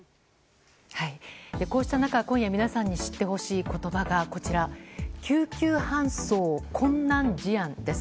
こうした中、今夜皆さんに知ってほしい言葉が救急搬送困難事案です。